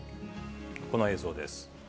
この映像です。